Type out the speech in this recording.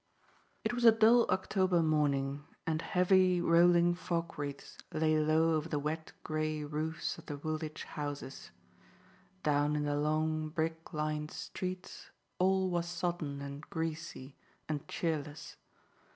It was a dull October morning, and heavy, rolling fog wreaths lay low over the wet grey roofs of the Woolwich houses. Down in the long, brick lined streets all was sodden and greasy and cheerless.